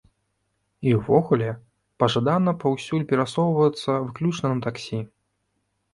І ўвогуле, пажадана паўсюль перасоўвацца выключна на таксі.